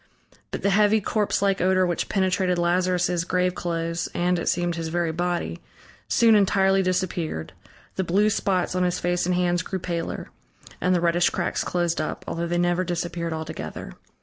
But the heavy corpse like odor which penetrated Lazarus' graveclothes and, it seemed, his very body, soon entirely disappeared, the blue spots on his face and hands grew paler, and the reddish cracks closed up, although they never disappeared altogether.